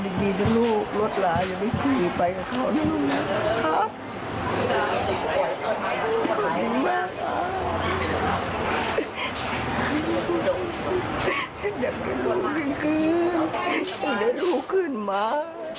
ได้รู้ขึ้นมา